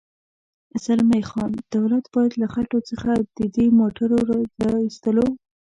زلمی خان: دولت باید له خټو څخه د دې موټرو د را اېستلو.